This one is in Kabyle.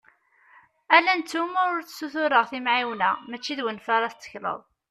Ala i netta iwumi ur ssutureɣ timεiwna, mačči d win iɣef ara tettekleḍ.